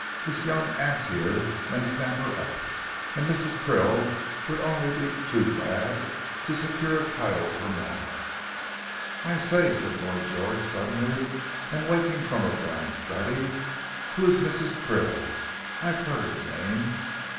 This young ass here might snap her up, and Mrs. Krill would only be too glad to secure a title for Maud." "I say," said Lord George suddenly, and waking from a brown study, "who is Mrs. Krill? I've heard the name."